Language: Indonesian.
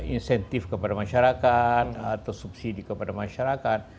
insentif kepada masyarakat atau subsidi kepada masyarakat